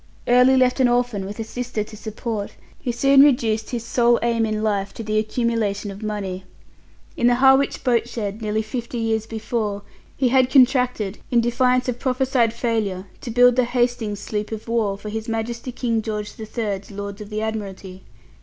Early left an orphan with a sister to support, he soon reduced his sole aim in life to the accumulation of money. In the Harwich boat shed, nearly fifty years before, he had contracted in defiance of prophesied failure to build the Hastings sloop of war for His Majesty King George the Third's Lords of the Admiralty.